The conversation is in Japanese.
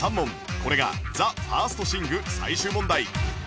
これが ＴＨＥＦＩＲＳＴＳＩＮＧ 最終問題